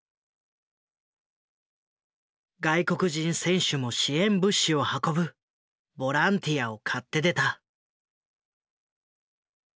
外国人選手も支援物資を運ぶボランティアを買って出た。